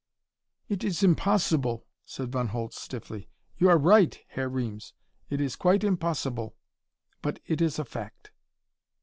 "It is impossible," said Von Holtz stiffly. "You are right, Herr Reames. It is quite impossible. But it is a fact."